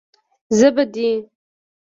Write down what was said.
زه به دې.